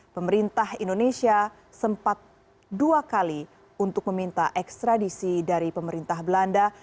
pemerintah indonesia sempat dua kali untuk meminta ekstradisi dari pemerintah belanda